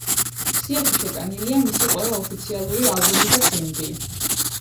სიაში შეტანილია მისი ყველა ოფიციალური ალბომი და სინგლი.